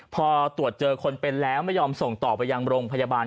พอตรวจเจอคนเป็นแล้วไม่ยอมส่งต่อไปยังโรงพยาบาล